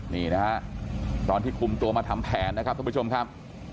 นี่นะฮะตอนที่คุมตัวมาทำแผนนะครับท่านผู้ชมครับ